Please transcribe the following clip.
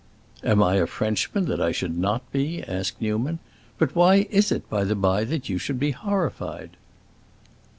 "Am I a Frenchman, that I should not be?" asked Newman. "But why is it, by the bye, that you should be horrified?"